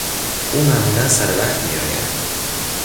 او معمولا سر وقت میآید.